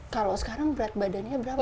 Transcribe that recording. kalau sekarang berat badannya berapa